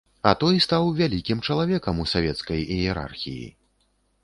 А той стаў вялікім чалавекам у савецкай іерархіі.